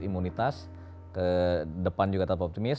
imunitas ke depan juga tetap optimis